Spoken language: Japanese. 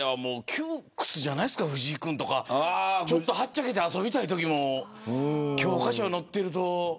窮屈じゃないですか藤井君とか。はっちゃけて遊びたいときも教科書に載ってると。